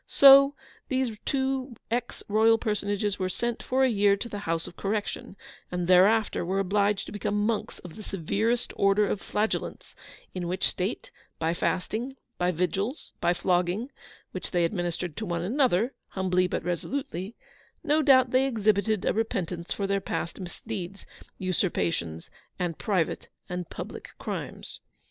So these two Ex Royal personages were sent for a year to the House of Correction, and thereafter were obliged to become monks of the severest Order of Flagellants, in which state, by fasting, by vigils, by flogging (which they administered to one another, humbly but resolutely), no doubt they exhibited a repentance for their past misdeeds, usurpations, and private and public crimes.